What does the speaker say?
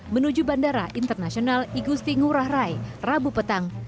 menuju bandara internasional igusti ngurah rai rabu petang